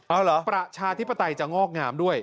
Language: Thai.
เอาเหรอประชาธิปไตยจะงอกงามด้วย